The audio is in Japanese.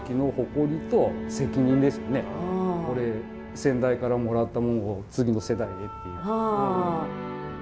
先代からもらったものを次の世代へっていう。